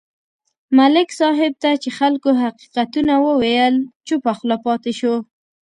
ملک صاحب ته چې خلکو حقیقتونه وویل، چوپه خوله پاتې شو.